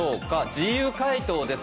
自由回答です。